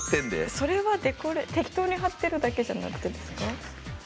それはデコレ適当に貼ってるだけじゃなくてですか。